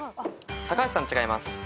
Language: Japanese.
高橋さん違います。